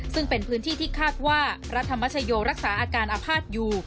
ซึ่งเป็นพื้นที่ที่คาดว่ารัฐธรรมชโยรักษาอาการอภาษณ์อยู่